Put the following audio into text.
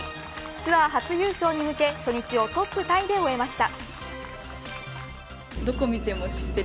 ツアー初優勝に向け初日をトップタイで終えました。